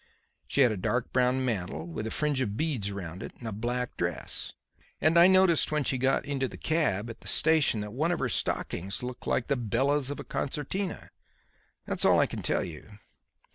She had a dark brown mantle with a fringe of beads round it and a black dress; and I noticed when she got into the cab at the station that one of her stockings looked like the bellows of a concertina. That's all I can tell you."